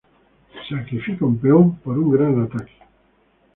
Se sacrifica un peón por un gran ataque.